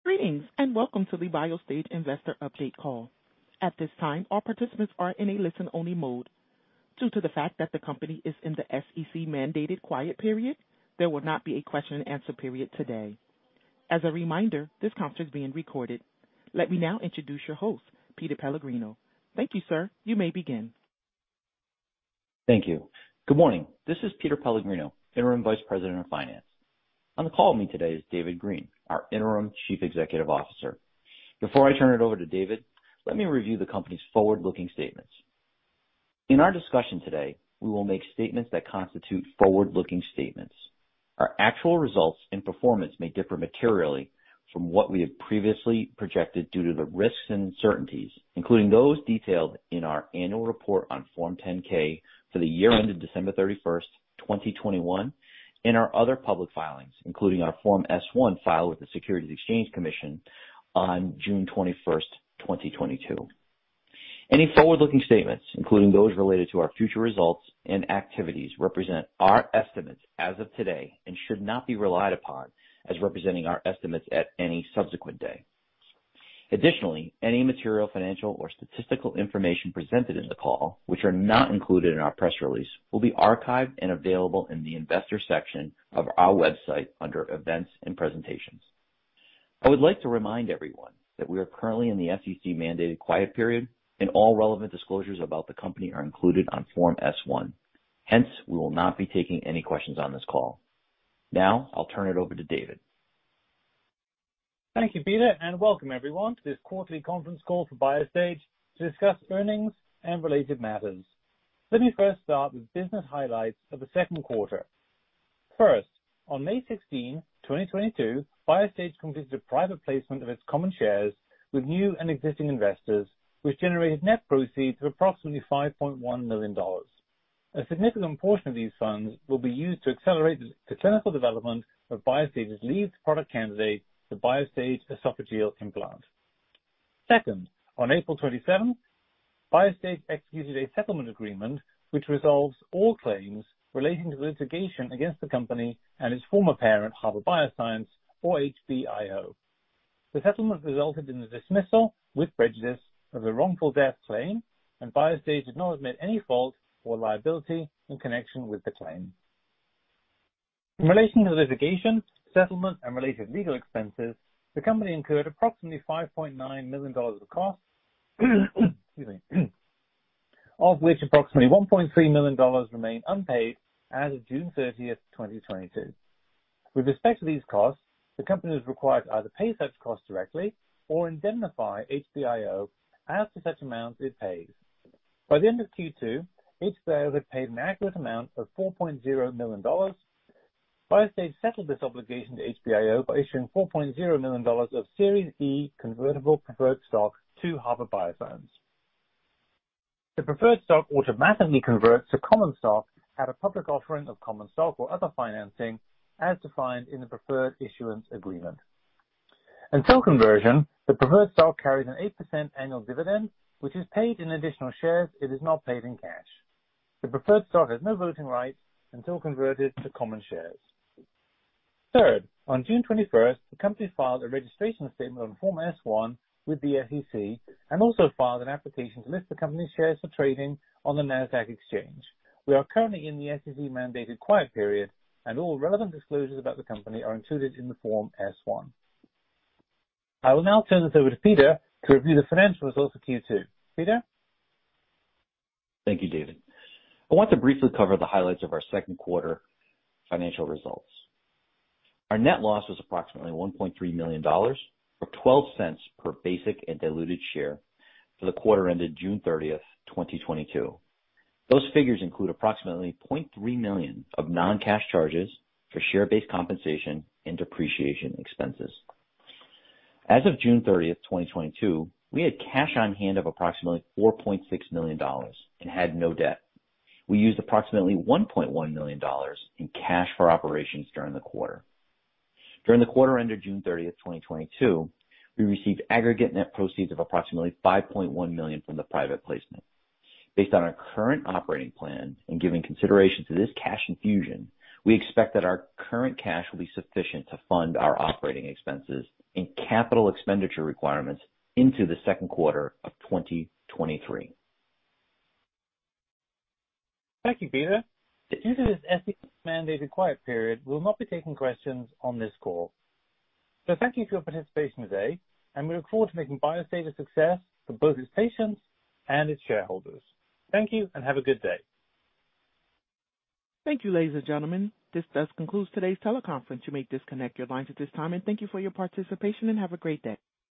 Greetings, and welcome to the Biostage Investor Update Call. At this time, all participants are in a listen-only mode. Due to the fact that the company is in the SEC-mandated quiet period, there will not be a question and answer period today. As a reminder, this conference is being recorded. Let me now introduce your host, Peter A. Pellegrino. Thank you, sir. You may begin. Thank you. Good morning. This is Peter Pellegrino, Interim Vice President of Finance. On the call with me today is David Green, our Interim Chief Executive Officer. Before I turn it over to David, let me review the company's forward-looking statements. In our discussion today, we will make statements that constitute forward-looking statements. Our actual results and performance may differ materially from what we have previously projected due to the risks and uncertainties, including those detailed in our annual report on Form 10-K for the year ended December 31, 2021, and our other public filings, including our Form S-1 filed with the Securities and Exchange Commission on June 21, 2022. Any forward-looking statements, including those related to our future results and activities, represent our estimates as of today and should not be relied upon as representing our estimates at any subsequent day. Additionally, any material, financial or statistical information presented in the call, which are not included in our press release, will be archived and available in the investor section of our website under Events and Presentations. I would like to remind everyone that we are currently in the SEC-mandated quiet period and all relevant disclosures about the company are included on Form S-1. Hence, we will not be taking any questions on this call. Now, I'll turn it over to David. Thank you, Peter, and welcome everyone to this quarterly conference call for Biostage to discuss earnings and related matters. Let me first start with business highlights of the Q2. First, on May 16, 2022, Biostage completed a private placement of its common shares with new and existing investors, which generated net proceeds of approximately $5.1 million. A significant portion of these funds will be used to accelerate the clinical development of Biostage's lead product candidate, the Cellspan Esophageal Implant. Second, on April 27, Biostage executed a settlement agreement which resolves all claims relating to the litigation against the company and its former parent, Harvard Bioscience or HBIO. The settlement resulted in the dismissal with prejudice of the wrongful death claim, and Biostage did not admit any fault or liability in connection with the claim. In relation to the litigation, settlement and related legal expenses, the company incurred approximately $5.9 million of costs, excuse me, of which approximately $1.3 million remain unpaid as of June 30th, 2022. With respect to these costs, the company is required to either pay such costs directly or indemnify HBIO as to such amounts it pays. By the end of Q2, HBIO had paid an aggregate amount of $4.0 million. Biostage settled this obligation to HBIO by issuing $4.0 million of Series E convertible preferred stock to Harvard Bioscience. The preferred stock automatically converts to common stock at a public offering of common stock or other financing as defined in the preferred issuance agreement. Until conversion, the preferred stock carries an 8% annual dividend, which is paid in additional shares. It is not paid in cash. The preferred stock has no voting rights until converted to common shares. Third, on June twenty-first, the company filed a registration statement on Form S-1 with the SEC and also filed an application to list the company's shares for trading on the Nasdaq exchange. We are currently in the SEC-mandated quiet period and all relevant disclosures about the company are included in the Form S-1. I will now turn this over to Peter to review the financial results of Q2. Peter. Thank you, David. I want to briefly cover the highlights of our Q2 financial results. Our net loss was approximately $1.3 million, or $0.12 per basic and diluted share for the quarter ended June 30, 2022. Those figures include approximately $0.3 million of non-cash charges for share-based compensation and depreciation expenses. As of June 30, 2022, we had cash on hand of approximately $4.6 million and had no debt. We used approximately $1.1 million in cash for operations during the quarter. During the quarter ended June 30, 2022, we received aggregate net proceeds of approximately $5.1 million from the private placement. Based on our current operating plan and giving consideration to this cash infusion, we expect that our current cash will be sufficient to fund our operating expenses and capital expenditure requirements into the Q2 of 2023. Thank you, Peter. Due to this SEC-mandated quiet period, we will not be taking questions on this call. Thank you for your participation today. We look forward to making Biostage a success for both its patients and its shareholders. Thank you and have a good day. Thank you, ladies and gentlemen. This does conclude today's teleconference. You may disconnect your lines at this time and thank you for your participation and have a great day.